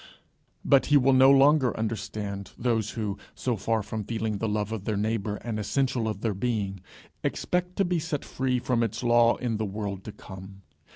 But he will no longer understand those who, so far from feeling the love of their neighbour an essential of their being, expect to be set free from its law in the world to come.